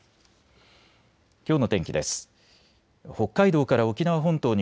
きょうの天気です。